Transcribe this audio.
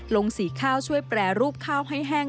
ลงสีข้าวช่วยแปรรูปข้าวให้แห้ง